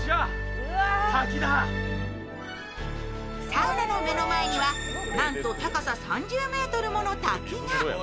サウナの目の前にはなんと高さ３０ｍもの滝が。